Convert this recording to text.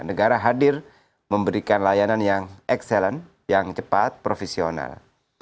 negara hadir memberikan layanan yang excellent yang cepat profesional